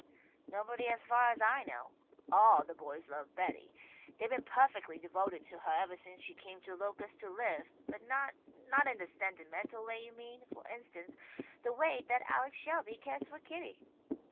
"Nobody as far as I know. All the boys love Betty. They've been perfectly devoted to her ever since she came to Locust to live; but not not in the sentimental way you mean; for instance the way that Alex Shelby cares for Kitty."